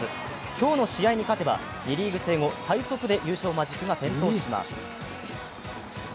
今日の試合に勝てば２リーグ制後最速で優勝マジックが転倒します。